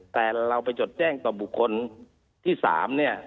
แต่เราไปจดแจ้งต่อบุคคลที่๓เนี่ย